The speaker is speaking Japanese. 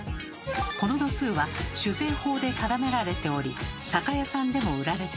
この度数は酒税法で定められており酒屋さんでも売られています。